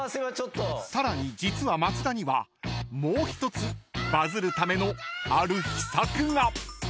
［さらに実は松田にはもう１つバズるためのある秘策が！］